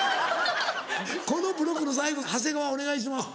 このブロックの最後長谷川お願いします。